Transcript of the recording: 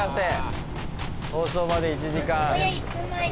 放送まで１時間。